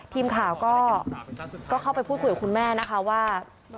ทีมข่าวก็เข้าไปพูดคุยกับคุณแม่นะคะว่า